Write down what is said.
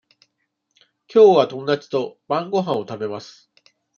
きょうは友達と晩ごはんを食べます。